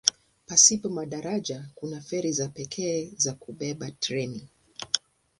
Pasipo madaraja kuna feri za pekee za kubeba treni.